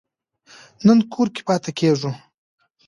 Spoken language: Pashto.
نن کور کې پاتې کیږو